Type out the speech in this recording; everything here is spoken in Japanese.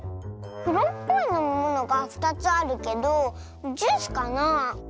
くろっぽいのみものが２つあるけどジュースかなあ。